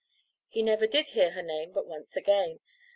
He never did hear her name but once again.